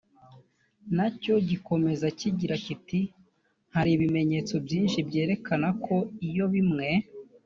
na cyo gikomeza kigira kiti hari ibimenyetso byinshi byerekana ko iyo bimwe